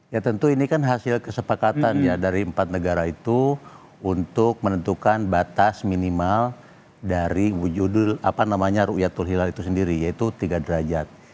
ya tentu ini kan hasil kesepakatan ya dari empat negara itu untuk menentukan batas minimal dari wujudul apa namanya ⁇ ruyatul hilal itu sendiri yaitu tiga derajat